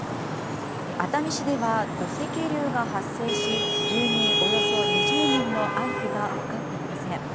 熱海市では土石流が発生し住民およそ２０人の安否が分かっていません。